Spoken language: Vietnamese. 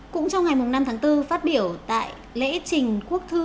cũng trong ngày năm tháng bốn phát biểu tại lễ trình quốc thư